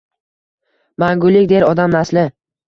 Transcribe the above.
Mangulik der odam nasli